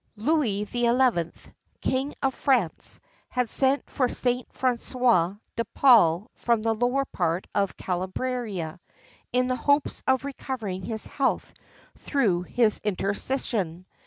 Louis XI., King of France, had sent for Saint François de Paule from the lower part of Calabria, in the hopes of recovering his health through his intercession.